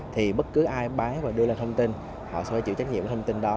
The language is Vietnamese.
thì bất cứ ai bán và đưa lên thông tin họ sẽ chịu trách nhiệm thông tin đó